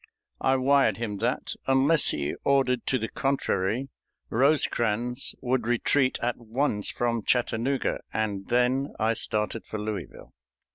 I wired him that, unless he ordered to the contrary, Rosecrans would retreat at once from Chattanooga, and then I started for Louisville.